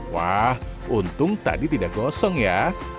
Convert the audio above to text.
wah untung tadi tidak gosong ya